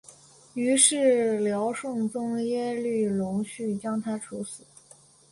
于是辽圣宗耶律隆绪将他处死。